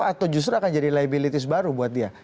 atau justru akan jadi liabilities baru buat dia